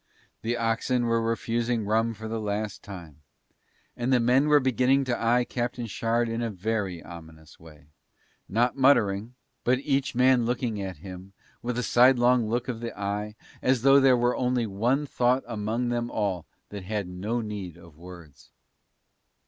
The oxen were refusing rum for the last time, and the men were beginning to eye Captain Shard in a very ominous way, not muttering, but each man looking at him with a sidelong look of the eye as though there were only one thought among them all that had no need of words.